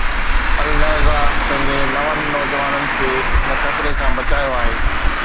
النهضه پنهنجي نون نوجوانن کي ان خطري کان بچايو آهي.